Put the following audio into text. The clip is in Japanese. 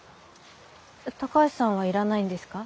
高橋さんはいらないんですか？